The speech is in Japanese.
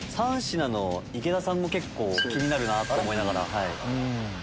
３品の池田さんも結構気になるなぁと思いながら。